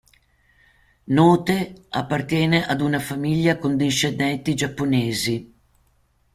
Note appartiene ad una famiglia con discendenti giapponesi.